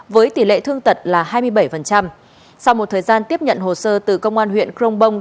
với tỷ lệ thương tật là hai mươi bảy sau một thời gian tiếp nhận hồ sơ từ công an huyện crong bông